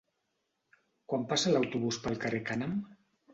Quan passa l'autobús pel carrer Cànem?